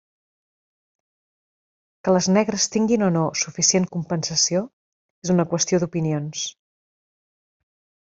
Que les negres tinguin o no suficient compensació és una qüestió d'opinions.